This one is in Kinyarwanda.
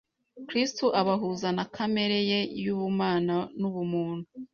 Kristo abahuza na kamere ye y'ubumana n'ubumuntu.